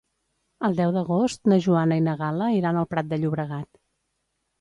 El deu d'agost na Joana i na Gal·la iran al Prat de Llobregat.